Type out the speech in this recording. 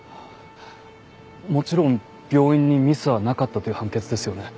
もちろん病院にミスはなかったという判決ですよね？